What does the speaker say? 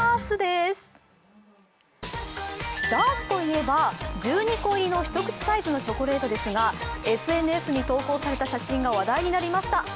ＤＡＲＳといえば、１２個入りの一口サイズのチョコレートですがＳＮＳに投稿された写真が話題になりました。